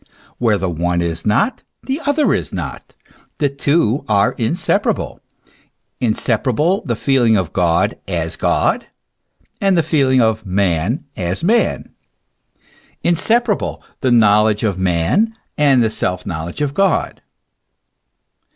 Where the one is not, the other is not. The two are inseparable, inseparable the feeling of God as God, and the feeling of man as man, inseparable the knowledge of man and the self knowledge of God.